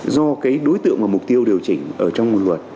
do cái đối tượng và mục tiêu điều chỉnh ở trong nguồn luật